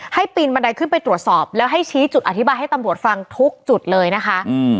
ปีนบันไดขึ้นไปตรวจสอบแล้วให้ชี้จุดอธิบายให้ตำรวจฟังทุกจุดเลยนะคะ